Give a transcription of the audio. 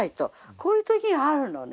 こういう時があるのね。